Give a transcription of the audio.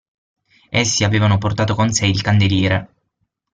Essi avevano portato con sé il candeliere.